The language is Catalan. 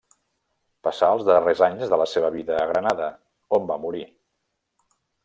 Passà els darrers anys de la seva vida a Granada, on va morir.